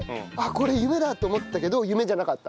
これ夢だと思ったけど夢じゃなかった！